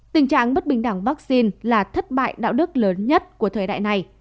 tình trạng bất bình đẳng vaccine là thất bại đạo đức lớn nhất của thời đại này